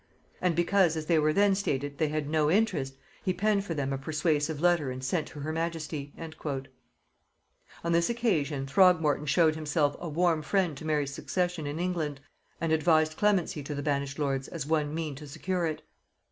And because, as they were then stated, they had no interest, he penned for them a persuasive letter and sent to her majesty." On this occasion Throgmorton showed himself a warm friend to Mary's succession in England, and advised clemency to the banished lords as one mean to secure it.